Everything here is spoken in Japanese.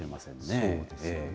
そうですよね。